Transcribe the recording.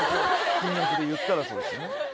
金額でいったらそうですよね